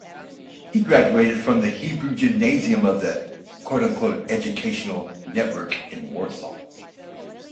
He graduated from the Hebrew Gymnasium of the "Education" network in Warsaw.